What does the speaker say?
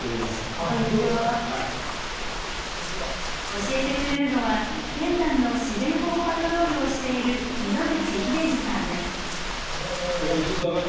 教えてくれるのは天山の自然保護パトロールをしている蛇紋岩。